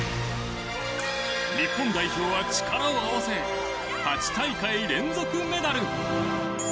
日本代表は力を合わせ８大会連続メダル。